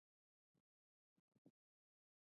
د ځوانانو د شخصي پرمختګ لپاره پکار ده چې هنر رسوي.